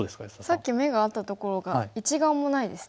さっき眼があったところが一眼もないですね。